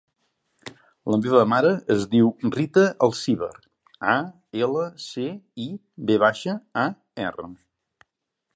La meva mare es diu Rita Alcivar: a, ela, ce, i, ve baixa, a, erra.